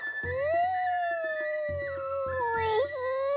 んおいしい！